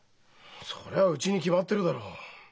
そりゃうちに決まってるだろう。